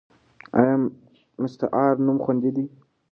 ایا مستعار نوم خوندي دی؟